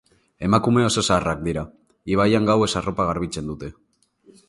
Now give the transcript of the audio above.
Emakume oso zaharrak dira, ibaian gauez arropa garbitzen dute.